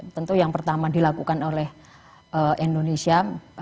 tentu yang pertama dilakukan oleh indonesia